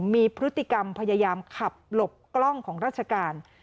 มีพฤติกรรมพยายามขับหลบกล้องของราชการ